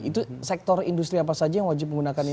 itu sektor industri apa saja yang wajib menggunakan ini